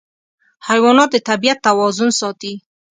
حیوانات د طبیعت توازن ساتي.